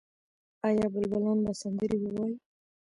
آیا بلبلان به سندرې ووايي؟